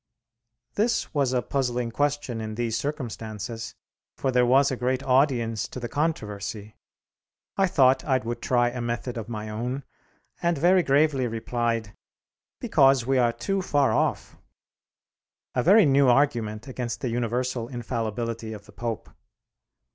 This was a puzzling question in these circumstances; for there was a great audience to the controversy. I thought I would try a method of my own, and very gravely replied, "Because we are too far off," a very new argument against the universal infallibility of the Pope.